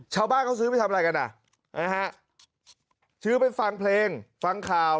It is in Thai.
ชาวบ้านเขาซื้อไปทำอะไรกันอ่ะนะฮะซื้อไปฟังเพลงฟังข่าว